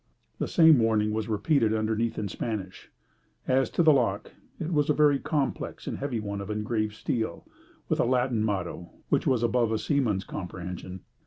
The same warning was repeated underneath in Spanish. As to the lock, it was a very complex and heavy one of engraved steel, with a Latin motto, which was above a seaman's comprehension.